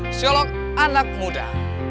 psiolog anak muda